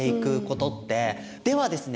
ではですね